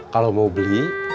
kalau mau beli